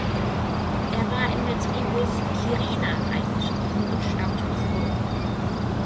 Er war in der Tribus "Quirina" eingeschrieben und stammte aus Rom.